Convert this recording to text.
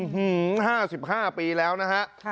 ห้าสิบห้าปีแล้วนะฮะ